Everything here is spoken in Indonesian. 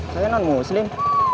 saya bukan muslim